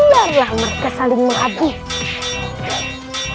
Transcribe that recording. lari lah mereka saling menghabis